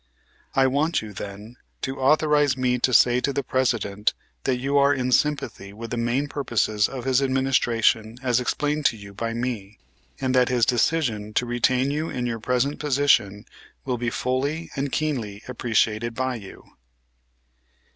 I want you, then, to authorize me to say to the President that you are in sympathy with the main purposes of his administration as explained to you by me, and that his decision to retain you in your present position will be fully and keenly appreciated by you."